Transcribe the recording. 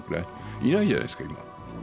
いないじゃないですか、今。